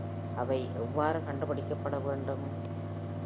அவை எவ்வாறு கண்டுபிடிக்கப்பட வேண்டும்?